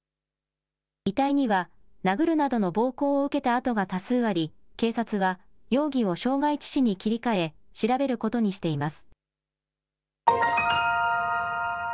遺体には殴るなどの暴行を受けた痕が多数あり警察は容疑を傷害致死に切り替え調べることにしています。